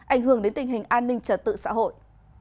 ảnh hưởng đến tình hình an ninh trật tự xã hội